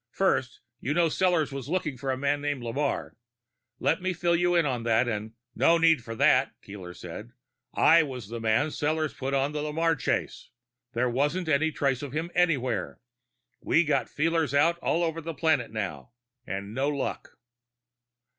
First, you know Sellors was looking for a man named Lamarre. Let me fill you in on that, and " "No need for that," Keeler said. "I was the man Sellors put on the Lamarre chase. There isn't a trace of him anywhere. We've got feelers out all over the planet now, and no luck."